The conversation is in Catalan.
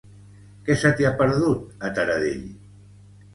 Què se t'hi ha perdut, a Taradell?